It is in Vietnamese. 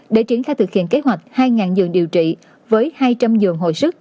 để triển khai thực hiện kế hoạch hai dường điều trị với hai trăm linh dường hồi sức